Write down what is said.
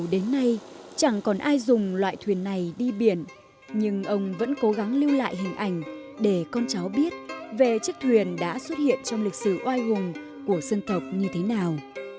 đến nay chẳng còn ai dùng loại thuyền này đi biển nhưng ông vẫn cố gắng lưu lại hình ảnh để con cháu biết về chiếc thuyền đã xuất hiện trong lịch sử oai hùng của dân tộc như thế nào